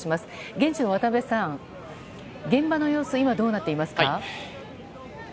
現地の渡邊さん、現場の様子どうなっていますか？